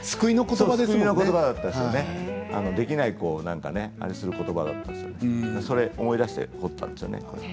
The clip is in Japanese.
できないことをあれすることばだったんですけれどそれを思い出して彫ったんですよね。